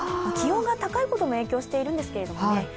気温が高いことも影響してるんですけどね。